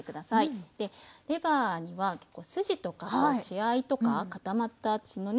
レバーには筋とか血合いとか血のね